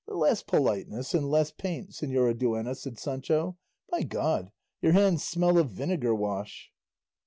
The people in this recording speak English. "Less politeness and less paint, señora duenna," said Sancho; "by God your hands smell of vinegar wash."